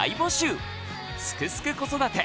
「すくすく子育て」